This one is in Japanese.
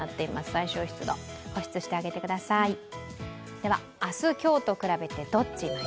では、明日今日とくらべてどっち。